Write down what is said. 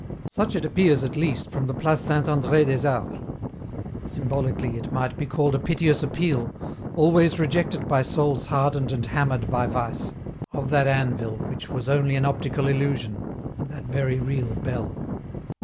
Such it appears, at least, from the Place Saint Andr^ des Arts. Symbolically it might be called a piteous appeal, always rejected by souls hardened and hammered by vice, of that anvil which was only an optical illusion, and that very real bell.